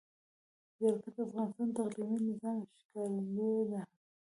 جلګه د افغانستان د اقلیمي نظام ښکارندوی ده.